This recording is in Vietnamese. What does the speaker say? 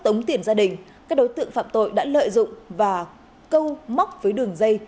trong tuyến gia đình các đối tượng phạm tội đã lợi dụng và câu móc với đường dây